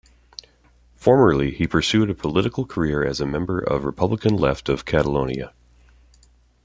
Formerly, he pursued a political career as a member of Republican Left of Catalonia.